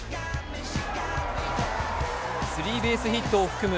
スリーベースヒットを含む